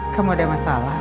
kamu ada masalah